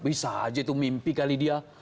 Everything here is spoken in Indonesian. bisa aja itu mimpi kali dia